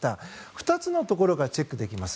２つのところがチェックできます。